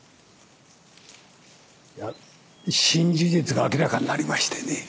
いや新事実が明らかになりましてね。